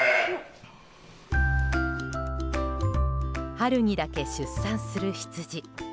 春にだけ出産するヒツジ。